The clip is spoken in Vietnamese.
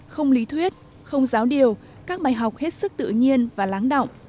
không lý thuyết không giáo điều các bài học hết sức tự nhiên và lắng động